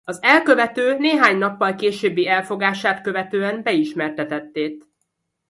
Az elkövető néhány nappal későbbi elfogását követően beismerte tettét.